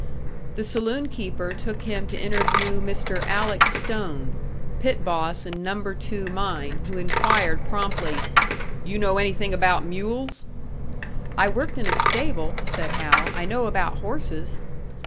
The saloon keeper took him to interview Mr. Alec Stone, pit boss in Number Two mine, who inquired promptly: "You know anything about mules?" "I worked in a stable," said Hal, "I know about horses."